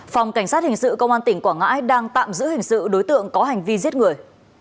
phòng cảnh sát hình sự công an tỉnh quảng ngãi đang tạm giữ hình sự đối tượng có hành vi giết người